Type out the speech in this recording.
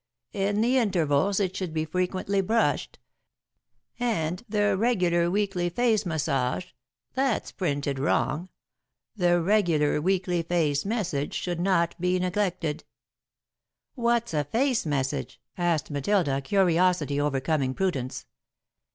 "'In the intervals it should be frequently brushed, and the regular weekly face massage' that's printed wrong 'the regular weekly face message should not be neglected.'" "What's a face message?" asked Matilda, curiosity overcoming prudence.